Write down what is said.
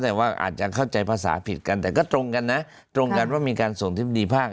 แต่ว่าอาจจะเข้าใจภาษาผิดกันแต่ก็ตรงกันนะตรงกันว่ามีการส่งอธิบดีภาค